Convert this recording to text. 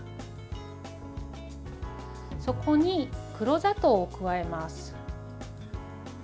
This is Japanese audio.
そこに黒砂糖を加えます。